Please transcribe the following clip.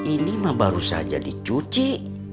ini mah baru saja dicuci